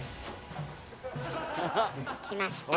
きました。